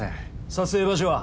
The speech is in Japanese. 撮影場所は？